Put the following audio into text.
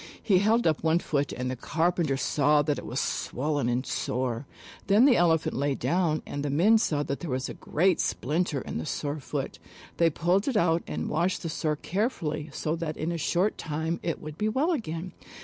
He held up one foot and the carpenters saw that it was swollen and sore. Then the Elephant lay down and the men saw that there was a great splinter in the sore foot. They pulled it out and washed the sore carefully so that in a short time it would be well again.